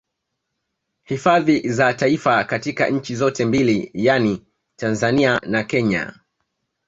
Hifadhi za Taifa katika nchi zote mbili yani Tanzania na Kenya